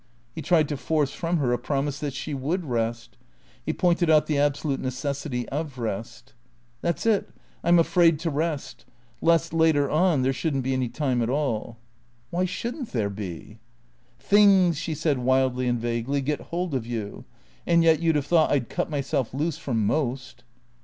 He tried to force from her a promise that she would rest. He pointed out the absolute necessity of rest. " That 's it. I 'm afraid to rest. Lest — later on — there should n't be any time at all." "Why shouldn't there be?" " Things," she said wildly and vaguely, " get hold of you. And yet, you 'd have thought I 'd cut myself loose from most."